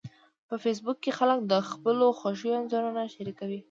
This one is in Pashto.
په فېسبوک کې خلک د خپلو خوښیو انځورونه شریکوي